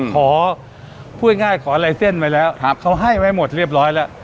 ขอพูดง่ายขอลายเส้นไว้แล้วเขาให้ไว้หมดเรียบร้อยแล้ว